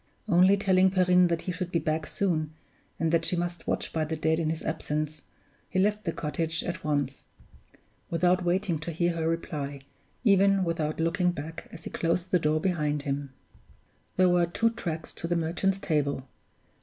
Only telling Perrine that he should be back soon, and that she must watch by the dead in his absence, he left the cottage at once, without waiting to hear her reply, even without looking back as he closed the door behind him. There were two tracks to the Merchant's Table.